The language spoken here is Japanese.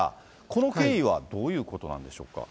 この経緯はどういうことなんでしょうか。